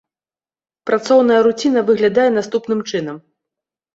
Працоўная руціна выглядае наступным чынам.